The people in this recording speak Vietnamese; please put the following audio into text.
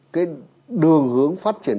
cái đường hướng phát triển